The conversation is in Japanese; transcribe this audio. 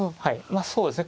そうですね